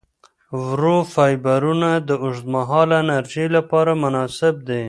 ورو فایبرونه د اوږدمهاله انرژۍ لپاره مناسب دي.